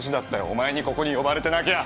お前にここに呼ばれてなきゃ！